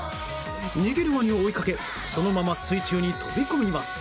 逃げるワニを追いかけそのまま水中に飛び込みます。